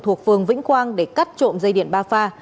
thuộc phường vĩnh quang để cắt trộm dây điện ba pha